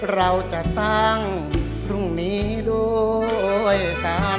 เราจะสร้างพรุ่งนี้โดยกัน